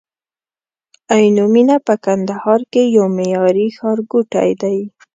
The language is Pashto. عینومېنه په کندهار کي یو معیاري ښارګوټی دی